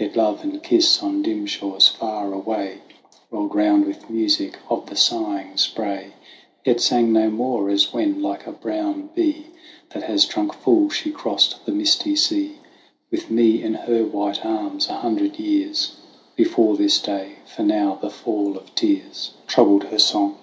I. H 97 98 THE WANDERINGS OF OISIN But love and kiss on dim shores far away Rolled round with music of the sighing spray : But sang no more, as when, like a brown bee That has drunk full, she crossed the misty sea With me in her white arms a hundred years Before this day ; for now the fall of tears Troubled her song.